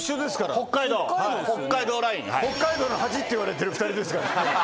北海道北海道ライン。っていわれてる２人ですから。